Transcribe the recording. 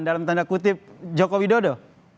dalam tanda kutip jokowi dodo